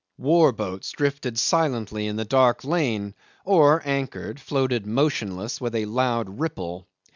War boats drifted silently in the dark lane or, anchored, floated motionless with a loud ripple.